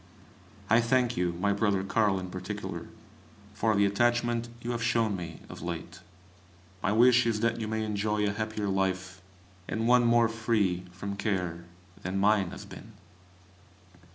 I thank you, my brother Carl in particular, for the attachment you have shown me of late. My wish is that you may enjoy a happier life, and one more free from care, than mine has been.